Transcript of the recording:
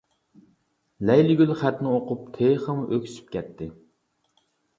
لەيلىگۈل خەتنى ئوقۇپ تېخىمۇ ئۆكسۈپ كەتتى.